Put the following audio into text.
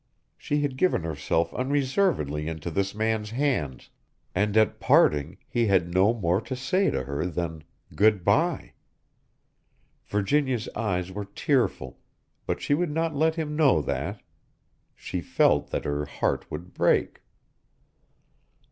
She had given herself unreservedly into this man's hands, and at parting he had no more to say to her than "Good by." Virginia's eyes were tearful, but she would not let him know that. She felt that her heart would break.